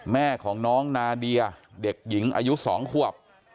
แม่ของน้องนาเดียเด็กหญิงอายุ๒ขวบ